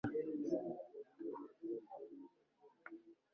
tom yakomeje gukora